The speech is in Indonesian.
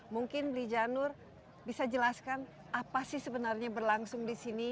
mungkin di janur bisa jelaskan apa sih sebenarnya berlangsung disini